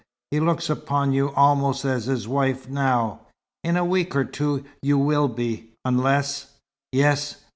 He looks upon you almost as his wife now. In a week or two you will be, unless " "Yes.